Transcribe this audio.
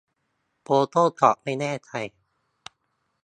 โฟโต้ช็อปไม่แน่ใจ